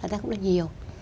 ta cũng đánh nhiều